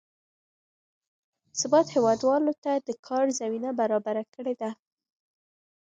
ثبات هېوادوالو ته د کار زمینه برابره کړې ده.